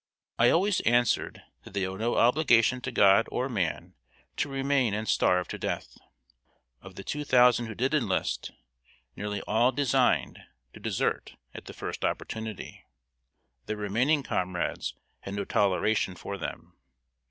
I always answered that they owed no obligation to God or man to remain and starve to death. Of the two thousand who did enlist, nearly all designed to desert at the first opportunity. Their remaining comrades had no toleration for them.